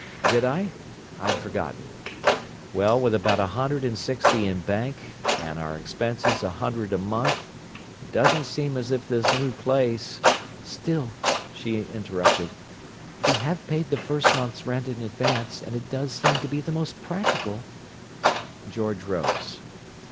"Did I? I'd forgotten. Well, with about a hundred and sixty in bank and our expenses a hundred a month, it doesn't seem as if this new place—" "Still," she interrupted, "we have paid the first month's rent in advance, and it does seem to be the most practical—" George rose.